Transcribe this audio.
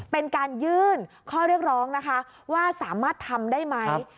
เป็นการยื่นข้อเรียกร้องนะคะว่าสามารถทำได้ไหม